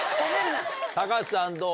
高橋さんどう？